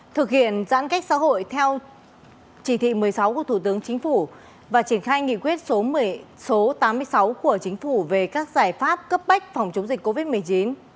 thực hiện giãn cách xã hội theo chỉ thị một mươi sáu của thủ tướng chính phủ và triển khai nghị quyết số tám mươi sáu của chính phủ về các giải pháp cấp bách phòng chống dịch covid một mươi chín